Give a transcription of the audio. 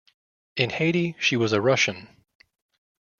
In Haiti she was a Russian.